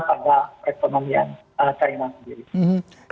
pada ekonomi china sendiri